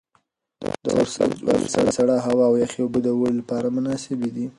د ورسج ولسوالۍ سړه هوا او یخې اوبه د اوړي لپاره مناسبې دي.